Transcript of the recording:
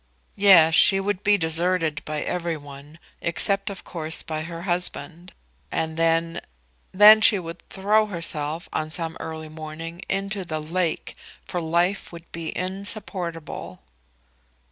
Yes; she would be deserted by everyone, except of course by her husband; and then Then she would throw herself on some early morning into the lake, for life would be insupportable.